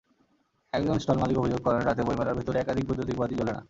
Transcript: একজন স্টলমালিক অভিযোগ করেন, রাতে বইমেলার ভেতরে একাধিক বৈদ্যুতিক বাতি জ্বলে না।